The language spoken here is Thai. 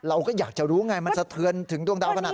เราก็อยากจะรู้ไงมันสะเทือนถึงดวงดาวขนาดไหน